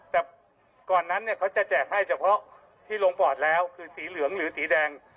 แต่ก่อนนั้นเนี่ยเขาจะแจกให้เฉพาะที่ลงปอดแล้วคือสีเหลืองหรือสีแดง